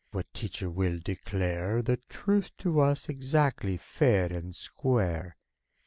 What teacher will declare The truth to us, exactly fair and square?